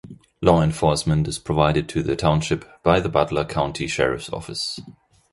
Law enforcement is provided to the township by the Butler County Sheriff's office.